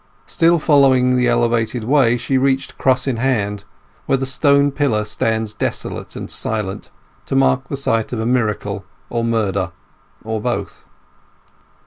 Still following the elevated way she reached Cross in Hand, where the stone pillar stands desolate and silent, to mark the site of a miracle, or murder, or both.